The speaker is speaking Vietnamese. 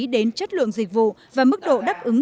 đến chất lượng dịch vụ và mức độ đáp ứng